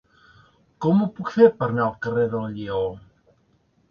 Com ho puc fer per anar al carrer del Lleó?